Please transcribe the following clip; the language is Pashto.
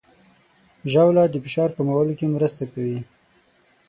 ژاوله د فشار کمولو کې مرسته کوي.